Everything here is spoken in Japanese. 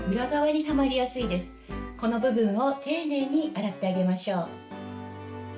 この部分を丁寧に洗ってあげましょう。